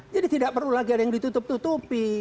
jadi tidak perlu lagi ada yang ditutup tutupi